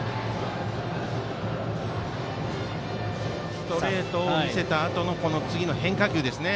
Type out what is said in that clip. ストレートを見せたあとの次の変化球ですね。